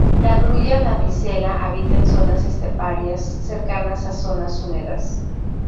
La grulla damisela habita en zonas esteparias, cercanas a zonas húmedas.